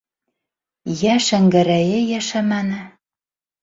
Йә Шәңгәрәйе йәшәмәне.